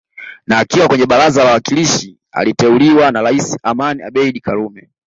Na akiwa kwenye baraza la wawakilishi aliteuliwa na Rais Amani Abeid karume